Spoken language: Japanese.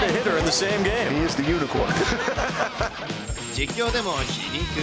実況でも皮肉。